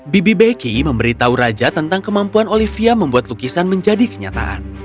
bibi beki memberitahu raja tentang kemampuan olivia membuat lukisan menjadi kenyataan